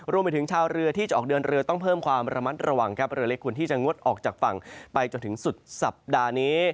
รวมไปถึงชาวเรือที่จะออกเดินเรือต้องเพิ่มความระมัดระวังครับเรือเล็กควรที่จะงดออกจากฝั่งไปจนถึงสุดสัปดาห์นี้